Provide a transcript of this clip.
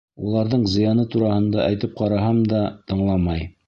Уларҙың зыяны тураһында әйтеп ҡараһам да, тыңламай.